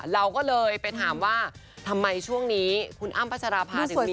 เราก็เลยไปถามว่าทำไมช่วงนี้คุณอ้ำพัชราภาถึงมี